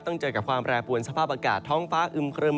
เจอกับความแปรปวนสภาพอากาศท้องฟ้าอึมครึม